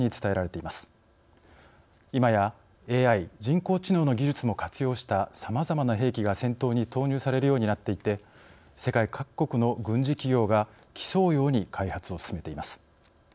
いまやＡＩ＝人工知能の技術も活用したさまざまな兵器が戦闘に投入されるようになっていて世界各国の軍事企業が競うように開発を進めています。